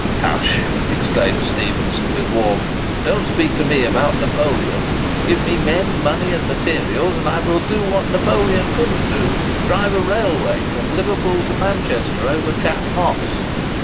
"Tush!" exclaimed Stephenson, with warmth; "don't speak to me about Napoleon! Give me men, money, and materials, and I will do what Napoleon couldn't do—drive a railway from Liverpool to Manchester over Chat Moss!"